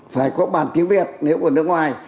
phải có bàn tiếng việt nếu của nước ngoài